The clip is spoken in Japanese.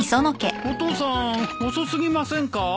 お父さん遅過ぎませんか？